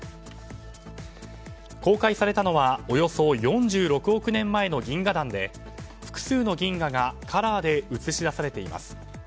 公開されたのはおよそ４６億年前の銀河団で、複数の銀河がカラーで写し出されています。